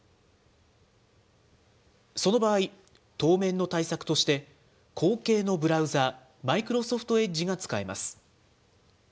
その場合、当面の対策として、後継のブラウザー、マイクロソフトエッジが使えます。